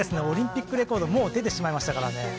オリンピックレコードもう出てしまいましたからね。